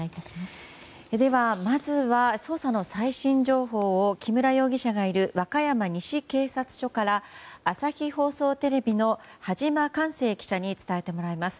では、まずは捜査の最新情報を木村容疑者がいる和歌山西警察署から朝日放送テレビの羽島寛成記者に伝えてもらいます。